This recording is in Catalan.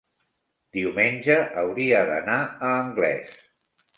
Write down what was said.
diumenge hauria d'anar a Anglès.